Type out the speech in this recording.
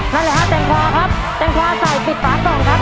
นั่นแหละค่ะแตงฟอครับแตนฟอใส่ปิดฝากกล่องครับ